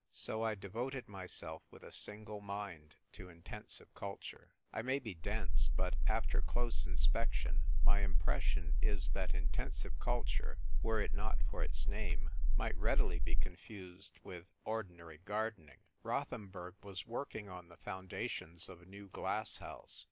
So I devoted myself with a single mind to intensive culture. I may be dense, but after close inspection my impression is that in tensive culture, were it not for its name, might readily be confused with ordinary gar dening. Rothenburg was working on the founda tions of a new glass house.